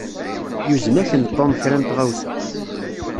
Yuzen-ak-n Tom kra n tɣawsa.